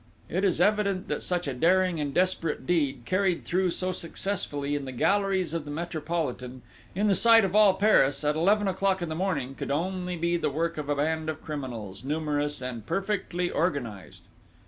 "It is evident that such a daring and desperate deed, carried through so successfully in the galleries of the Metropolitan, in the sight of all Paris, at eleven o'clock in the morning, could only be the work of a band of criminals, numerous and perfectly organised.